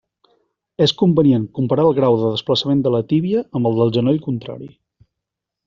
És convenient comparar el grau de desplaçament de la tíbia amb el del genoll contrari.